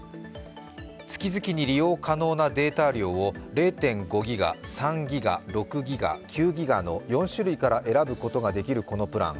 月々に利用可能なデータ量を０．５ギガ、３ギガ、６ギガ、９ギガの４種類から選ぶことができるこのプラン。